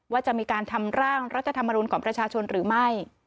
ว่าจะมีการทำร่างรัฐธรรมนุนของประชาชนหรือไม่